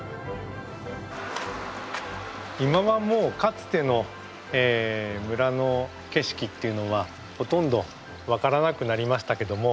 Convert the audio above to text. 今はもうかつての村の景色っていうのはほとんど分からなくなりましたけども。